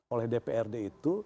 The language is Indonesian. oleh dprd itu